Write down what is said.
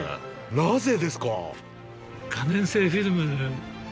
なぜですか？